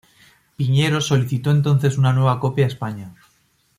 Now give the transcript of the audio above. Piñero solicitó entonces una nueva copia a España.